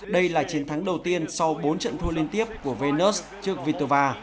đây là chiến thắng đầu tiên sau bốn trận thua liên tiếp của vennus trước vitova